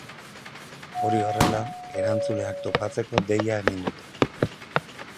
Hori horrela, erantzuleak topatzeko deia egin dute.